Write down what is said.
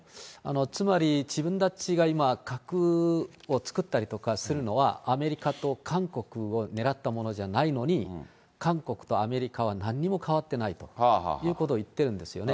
つまり自分たちが今、核を作ったりとかするのは、アメリカと韓国を狙ったものじゃないのに、韓国とアメリカはなんにも変わってないということを言ってるんですよね。